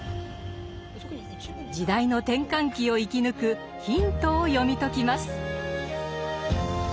時代の転換期を生き抜くヒントを読み解きます。